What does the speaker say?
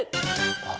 あっ